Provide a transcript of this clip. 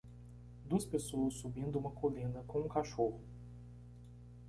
Duas pessoas subindo uma colina com um cachorro.